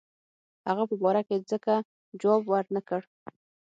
هغه په باره کې ځکه جواب ورنه کړ.